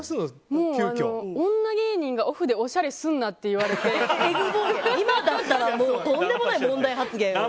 もう女芸人がオフでおしゃれすんなって言われて今だったらもうとんでもない問題発言。